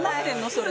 それ。